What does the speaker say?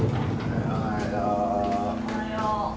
おはよう。